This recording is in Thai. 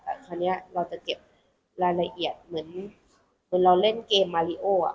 แต่คราวนี้เราจะเก็บรายละเอียดเหมือนเราเล่นเกมมาริโออ่ะ